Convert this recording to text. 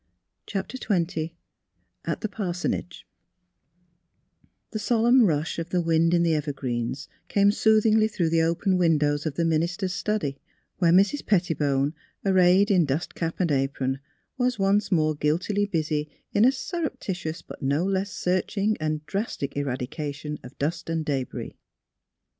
" CHAPTER XX AT THE PARSONAGE The solemn rush of the wind in the evergreens came soothingly through the open windows of the minister's study, where Mrs. Pettibone, arrayed in dust cap and apron, was once more guiltily busy in a surreptitious, but no less searching and drastic eradication of dust and debris.